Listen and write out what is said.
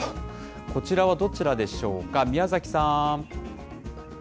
こちらはどちらでしょうか、宮崎さん。